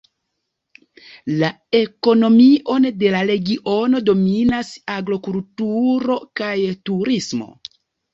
La ekonomion de la regiono dominas agrokulturo kaj turismo.